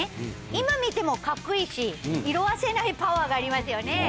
今見てもかっこいいし、色あせないパワーがありますよね。